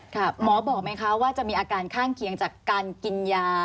หมอบอกไหมคะว่าจะมีอาการข้างเคียงจากการกินยา